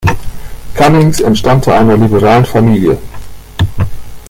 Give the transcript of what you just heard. Cummings entstammte einer liberalen Familie.